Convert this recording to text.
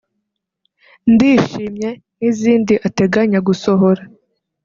‘Ndishimye’ n’izindi ateganya gusohora